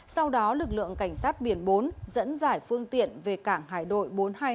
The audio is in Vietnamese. sau đó lực lượng cảnh sát biển bốn dẫn giải phương tiện về cảng hải đội bốn trăm hai mươi